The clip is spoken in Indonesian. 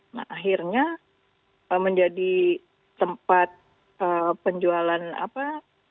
nah akhirnya menjadi tempat penjualan apa